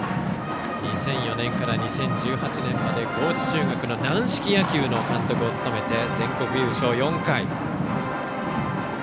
２００４年から２０１８年まで高知中学の軟式野球の監督を務めて全国優勝４回。